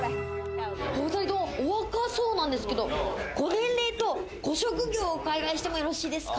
お２人ともお若そうなんですけど、ご年齢とご職業をお伺いしてもよろしいですか？